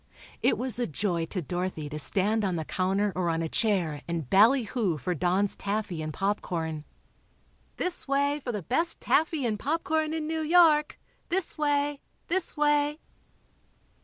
It was a joy to Dorothy to stand on the counter or on a chair and "ballyhoo" for Don's taffy and popcorn. "This way for the best taffy and popcorn in New York! This way, this way!"